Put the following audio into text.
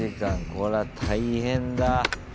これは大変だ。